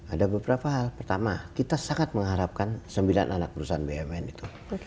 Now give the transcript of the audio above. ada beberapa hal pertama kita sangat mengharapkan sembilan anak perusahaan bumn itu